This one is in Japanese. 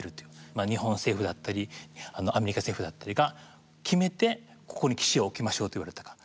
まあ日本政府だったりアメリカ政府だったりが決めてここに基地を置きましょうと言われたから。